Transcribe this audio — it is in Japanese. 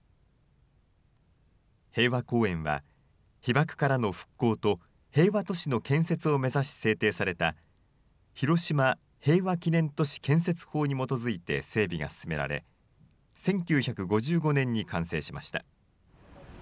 平和公園は、被爆からの復興と平和都市の建設を目指し制定された広島平和記念都市建設法に基づいて整備が進められ、１９５５年に完成しました。